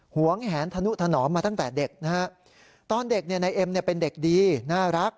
หวงแหนธนุธนอมมาตั้งแต่เด็กตอนเด็กในเอ็มเป็นเด็กดีน่ารัก